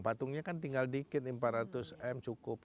patungnya kan tinggal dikit nih empat ratus m cukup